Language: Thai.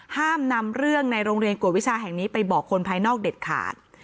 ห้ามนำเรื่องในโรงเรียนกวดวิชาแห่งนี้ไปบอกคนภายนอกเด็ดขาด